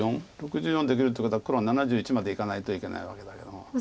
６４できるということは黒７１までいかないといけないわけだけども。